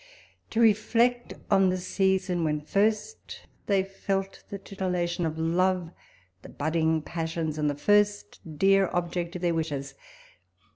To reflect on the season when first they felt the titillation of love, the budding passions, and the first dear object of their wishes